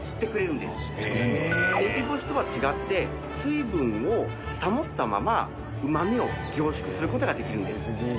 天日干しとは違って水分を保ったままうまみを凝縮する事ができるんです。